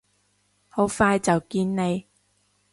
好快就見你！